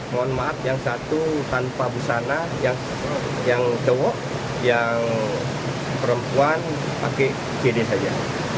mohon maaf yang satu tanpa busana yang cowok yang perempuan pakai cd saja